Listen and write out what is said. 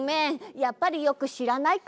やっぱりよくしらないかも。